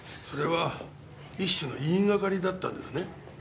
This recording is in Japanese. それは一種の言いがかりだったんですね？